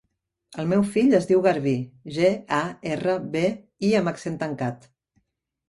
El meu fill es diu Garbí: ge, a, erra, be, i amb accent tancat.